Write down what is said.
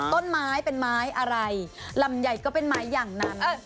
ต้นไม้เป็นไม้อะไรลำไยก็เป็นไม้อย่างนั้น